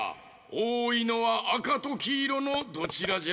おおいのはあかときいろのどちらじゃ？